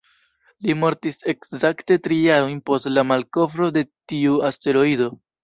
Li mortis ekzakte tri jarojn post la malkovro de tiu asteroido.